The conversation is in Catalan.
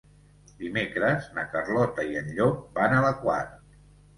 Dimecres na Carlota i en Llop van a la Quar.